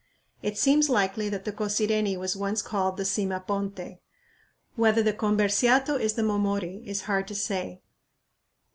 It seems likely that the Cosireni was once called the "Sima ponte." Whether the Comberciato is the "Momori" is hard to say.